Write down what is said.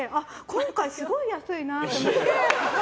今回すごい安いなと思って。